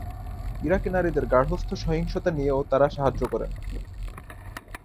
ইরাকি নারীদের গার্হস্থ্য সহিংসতা নিয়েও তারা সাহায্য করেন।